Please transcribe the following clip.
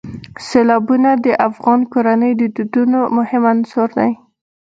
سیلابونه د افغان کورنیو د دودونو مهم عنصر دی.